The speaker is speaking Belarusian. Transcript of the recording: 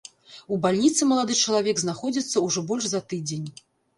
У бальніцы малады чалавек знаходзіцца ўжо больш за тыдзень.